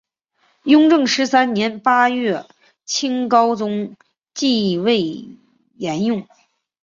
雍正十三年八月清高宗即位沿用。